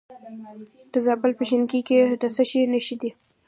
د زابل په شینکۍ کې د څه شي نښې دي؟